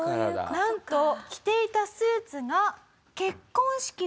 なんと着ていたスーツが。